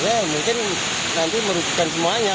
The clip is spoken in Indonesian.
ya mungkin nanti merugikan semuanya